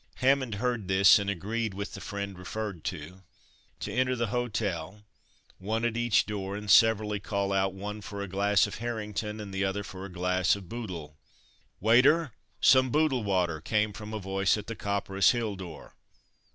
Hammond heard this, and agreed, with the friend referred to, to enter the Hotel, one at each door, and severally call out, one for a glass of "Harrington," and the other for a glass of "Bootle" water. "Waiter, some Bootle water!" came from a voice at the Copperas hill door.